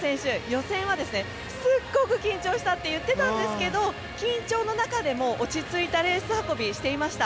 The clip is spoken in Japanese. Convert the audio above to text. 予選はすごく緊張したと言っていたんですが緊張の中でも落ち着いたレース運びをしていました。